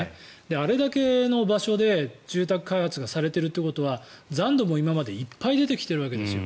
あれだけの場所で住宅開発がされているということは残土も今までいっぱい出てきているわけですよ。